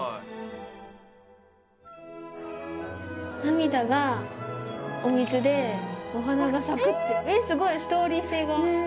涙がお水でお花が咲くってすごいストーリー性がある。